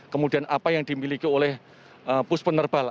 kemudian apa yang dimiliki oleh pus penerbal